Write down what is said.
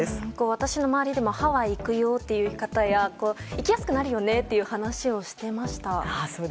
私の周りでもハワイ行くよという方や行きやすくなるよねという話をしていました。